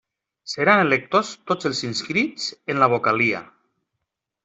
Seran electors tots els inscrits en la vocalia.